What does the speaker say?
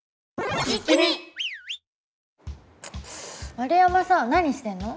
円山さん何してんの？